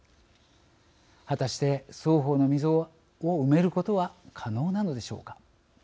果たして双方の溝を埋めることは可能なのでしょうか。